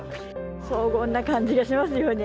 荘厳な感じがしますよね。